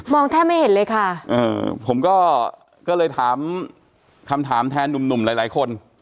แทบไม่เห็นเลยค่ะผมก็เลยถามคำถามแทนหนุ่มหนุ่มหลายหลายคน